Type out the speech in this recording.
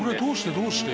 どうして？